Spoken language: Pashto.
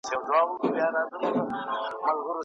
تر بل کاله به يې د کلي جومات جوړ کړی وي.